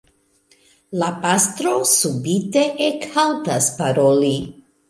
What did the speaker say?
La pastro subite ekhaltas paroli.